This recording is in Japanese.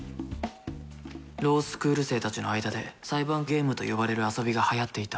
ロースクール生たちの間で裁判ゲームと呼ばれる遊びが流行っていた。